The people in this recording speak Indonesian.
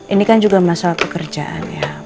ini kan juga masalah pekerjaan ya